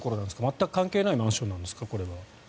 全く関係ないマンションなんですか？